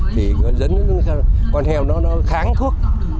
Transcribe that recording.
thì con heo nó kháng thuốc